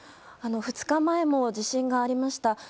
２日前も地震がありました。